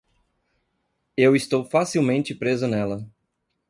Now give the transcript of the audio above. Eu estou facilmente preso nela.